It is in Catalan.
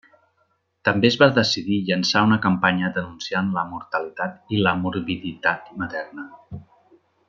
També es va decidir llançar una campanya denunciant la mortalitat i la morbiditat materna.